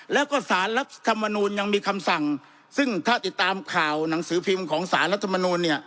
แล้วก็สารรัฐธรรมนูลยังมีคำสั่งซึ่งถ้าติดตามข่าวหนังสือพิมพ์ของสารรัฐมนูลเนี่ย